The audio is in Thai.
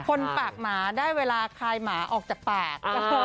คนปากหมาได้เวลาคายหมาออกจากปาก